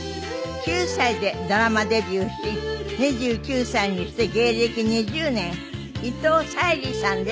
９歳でドラマデビューし２９歳にして芸歴２０年伊藤沙莉さんです。